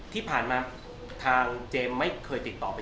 ที่ผ่านมาทางเจมส์ไม่เคยติดต่อไป